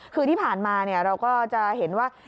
คือที่ผ่านมาเราก็จะเห็นว่า